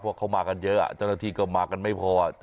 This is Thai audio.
เพราะเขามากันเยอะเจ้าหน้าที่ก็มากันไม่พอ